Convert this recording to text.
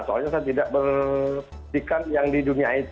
soalnya saya tidak berpikirkan yang di dunia it